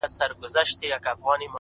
• فرعون او هامان ,